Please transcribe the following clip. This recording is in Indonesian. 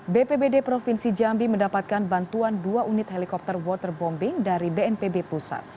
bpbd provinsi jambi mendapatkan bantuan dua unit helikopter waterbombing dari bnpb pusat